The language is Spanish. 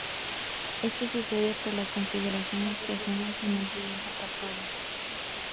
Esto sucede por las consideraciones que hacemos en el siguiente apartado.